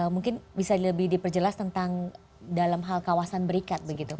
mungkin bisa lebih diperjelas tentang dalam hal kawasan berikat begitu pak